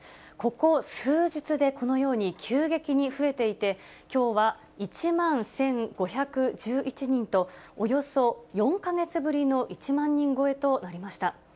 ここ数日で、このように急激に増えていて、きょうは１万１５１１人と、およそ４か月ぶりの１万人超えとなりました。